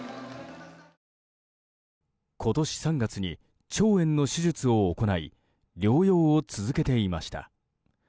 今年３月に腸炎の手術を行い療養を続けていました。